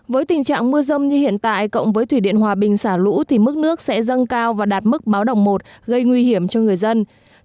với tình trạng mưa rông như hiện tại cộng với thủy điện hòa bình xả lũ thì mức nước sẽ dâng cao và đạt mức báo đồng một gây nguy hiểm cho người dân